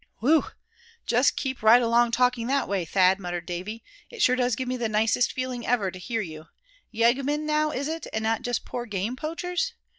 "Whew! just keep right along talking that way, Thad," muttered Davy. "It sure does give me the nicest feeling ever to hear you. Yeggmen now is it, and not just poor game poachers?